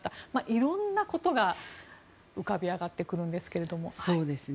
いろんなことが浮かび上がってきますけども。